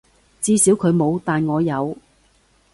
至少佢冇，但我有